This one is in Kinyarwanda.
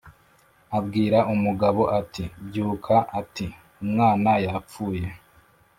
Abwira umugabo ati "Byuka ati: "Umwana yapfuye